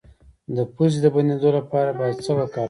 د پوزې د بندیدو لپاره باید څه وکاروم؟